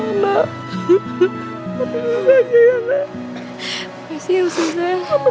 jadi kalau bisa beresuvo maksimal